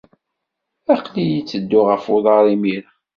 Aql-iyi ttedduɣ ɣef uḍar imir-a.